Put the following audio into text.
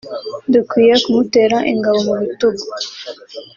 “Dukwiye kumutera ingabo mu bitugu